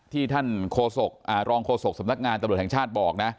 ที่ท่านรองโฆษกสำนักงานตำรวจแห่งชาติบอกนะ